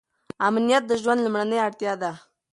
امنیت د ژوند لومړنۍ اړتیا ده.